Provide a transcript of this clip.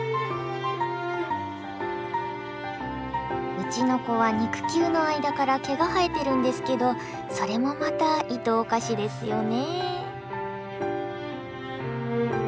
うちの子は肉球の間から毛が生えてるんですけどそれもまたいとをかしですよね。